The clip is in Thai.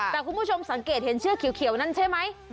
แต่คุณผู้ชมสังเกตเห็นเชือกเขียวนั้นใช่ไหม